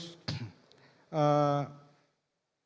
pertahanan dan keamanan